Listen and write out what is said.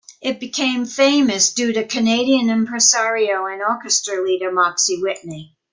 It became famous due to Canadian impresario and orchestra leader, Moxie Whitney.